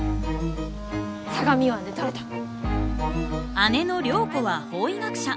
姉の涼子は法医学者。